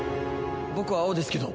僕は青ですけど。